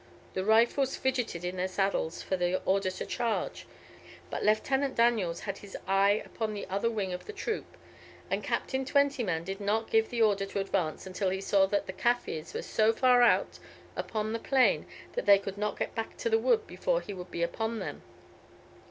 The rifles fidgeted in their saddles for the order to charge, but Lieutenant Daniels had his eye upon the other wing of the troop, and Captain Twentyman did not give the order to advance until he saw that the Kaffirs were so far out upon the plain that they could not get back to the wood before he would be upon them.